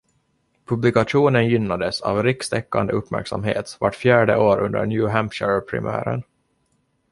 Publikationen gynnades av rikstäckande uppmärksamhet vart fjärde år under New Hampshire-primären.